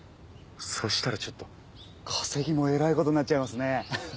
そしたらちょっと稼ぎもえらい事になっちゃいますね！